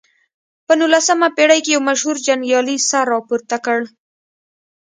په نولسمه پېړۍ کې یو مشهور جنګیالي سر راپورته کړ.